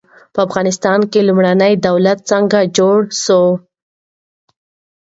په افغانستان کې لومړنی دولت څنګه جوړ سو؟